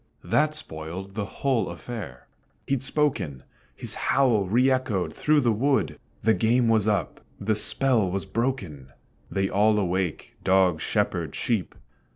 That spoiled the whole affair he'd spoken; His howl re echoed through the wood. The game was up the spell was broken! They all awake, dog, Shepherd, sheep.